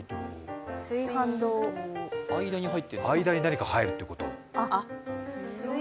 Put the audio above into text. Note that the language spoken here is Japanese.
間に何か入るってこと？